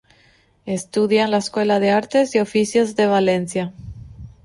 Estudia en la Escuela de Artes y Oficios de Valencia.